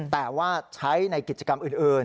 แต่ว่าใช้ในกิจกรรมอื่น